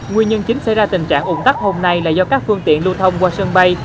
nguyên nhân chính xảy ra tình trạng ủng tắc hôm nay là do các phương tiện lưu thông qua sân bay